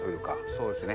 そうですね。